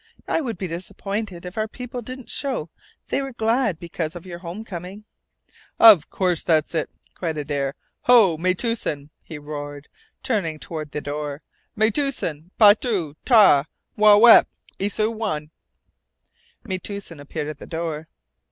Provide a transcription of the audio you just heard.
I would be disappointed if our people didn't show they were glad because of your home coming!" "Of course, that's it!" cried Adare. "Ho, Metoosin!" he roared, turning toward the door. "Metoosin! Paitoo ta! Wawep isewin!" Metoosin appeared at the door.